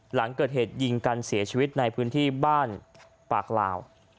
หลังเกิดเหตุยิงกันเสียชีวิตในพื้นที่บ้านปากลาว